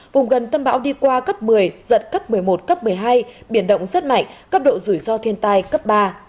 vùng gần tâm bão đi qua cấp một mươi giật cấp một mươi một cấp một mươi hai biển động rất mạnh cấp độ rủi ro thiên tai cấp ba